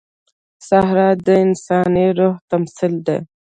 صحرا د انساني روح تمثیل دی.